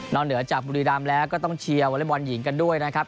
เหนือจากบุรีรำแล้วก็ต้องเชียร์วอเล็กบอลหญิงกันด้วยนะครับ